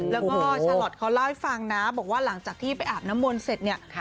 แล้วก็ชาลอทเขาเล่าให้ฟังนะบอกว่าหลังจากที่ไปอาบน้ำมนต์เสร็จเนี่ย